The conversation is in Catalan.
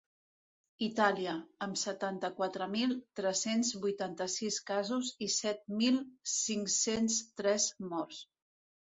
Itàlia, amb setanta-quatre mil tres-cents vuitanta-sis casos i set mil cinc-cents tres morts.